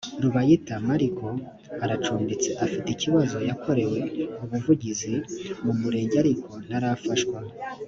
rubayita mariko aracumbitse afite ikibazo yakorewe ubuvugizi mu murenge ariko ntarafashwa